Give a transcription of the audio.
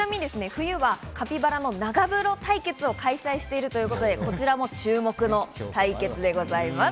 冬はカピバラの長風呂対決を開催しているということで、こちらも注目の対決でございます。